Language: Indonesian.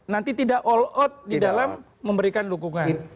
nanti tidak all out di dalam memberikan dukungan